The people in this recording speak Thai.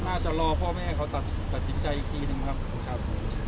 ก็น่าจะรอพ่อแม่เขาตัดสินใจอีกทีหนึ่งครับครับ